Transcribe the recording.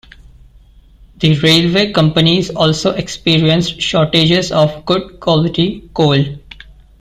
The railway companies also experienced shortages of good-quality coal.